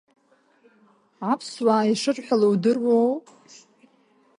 Аԥсуаа ишырҳәало удыруоу?